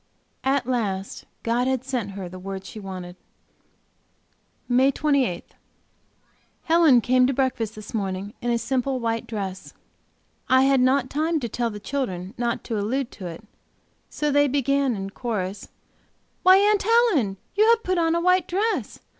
At last God had sent her the word she wanted. MAY 28. Helen came to breakfast this morning in a simple white dress. I had not time to tell the children not to allude to it, so they began in chorus: "Why, Aunt Helen! you have put on a white dress!"